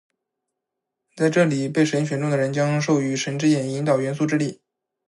在这里，被神选中的人将被授予「神之眼」，引导元素之力。